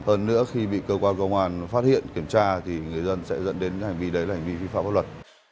hơn nữa khi bị cơ quan công an phát hiện kiểm tra thì người dân sẽ dẫn đến hành vi đấy là hành vi vi phạm pháp luật